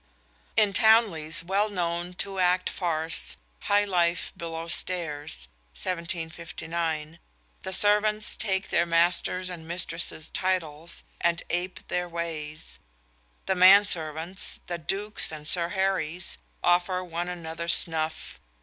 In Townley's well known two act farce "High Life Below Stairs," 1759, the servants take their masters' and mistresses' titles and ape their ways. The menservants the Dukes and Sir Harrys offer one another snuff.